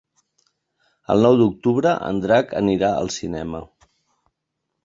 El nou d'octubre en Drac anirà al cinema.